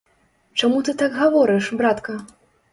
Чаму ты так гаворыш, братка?